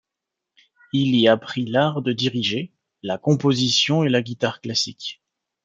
Il y apprit l'art de diriger, la composition et la guitare classique.